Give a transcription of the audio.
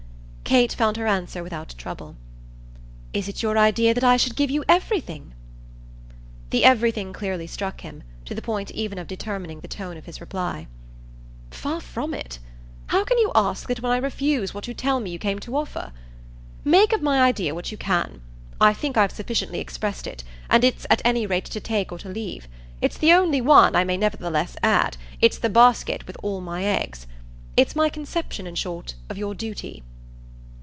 Kate found her answer without trouble. "Is it your idea that I should give you everything?" The "everything" clearly struck him to the point even of determining the tone of his reply. "Far from it. How can you ask that when I refuse what you tell me you came to offer? Make of my idea what you can; I think I've sufficiently expressed it, and it's at any rate to take or to leave. It's the only one, I may nevertheless add; it's the basket with all my eggs. It's my conception, in short, of your duty."